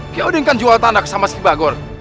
kio oding kan jual tanah sama si kibagor